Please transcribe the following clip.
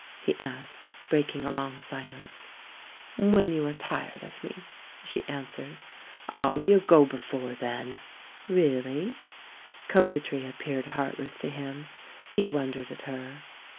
he asked, breaking a long silence. "When you are tired of me," she answered. "Ah! You'll go before then!" "Really?" 152 THE MAN WHO UNDERSTOOD WOMEN Coquetry appeared heartless to him. He won dered at her.